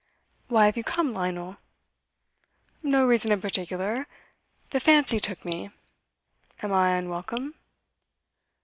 'Why have you come, Lionel?' 'No reason in particular. The fancy took me. Am I unwelcome?